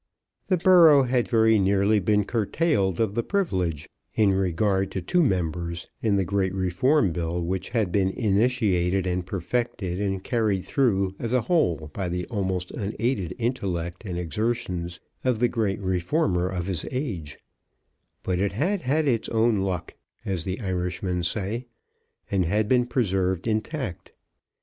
The borough had very nearly been curtailed of the privilege in regard to two members in the great Reform Bill which had been initiated and perfected and carried through as a whole by the almost unaided intellect and exertions of the great reformer of his age; but it had had its own luck, as the Irishmen say, and had been preserved intact.